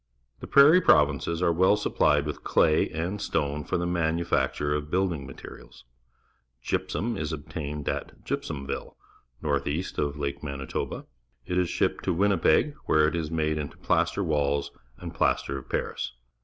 The Prairie Provinces are well supplied with clav and s tone for the manufacture of building materials. Gygsum is obtained at Gypsuminlle, north east of Lake Manitoba. It is shipped to Winnipeg, where it is made into wall plaster and plaster of Paris.